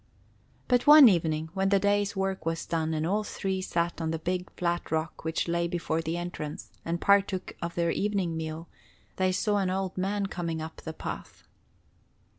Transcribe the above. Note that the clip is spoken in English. But one evening, when the day's work was done, and all three sat on the big, flat rock which lay before the entrance, and partook of their evening meal, they saw an old man coming up the path.